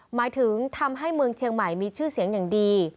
หมายถึงทำให้เมืองเชียงใหม่มีชื่อเสียงอย่างดี